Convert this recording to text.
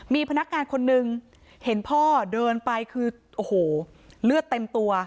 มีพนักงานคนนึงเห็นพ่อเดินไปคือโอ้โหเลือดเต็มตัว